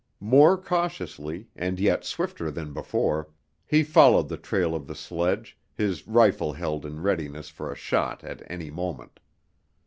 More cautiously, and yet swifter than before, he followed the trail of the sledge, his rifle held in readiness for a shot at any moment.